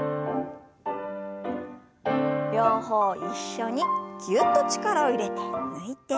両方一緒にぎゅっと力を入れて抜いて。